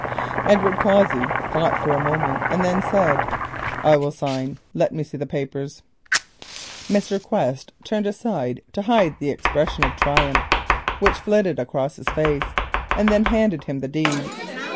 Edward Cossey thought for a moment and then said, "I will sign. Let me see the papers." Mr. Quest turned aside to hide the expression of triumph which flitted across his face and then handed him the deeds.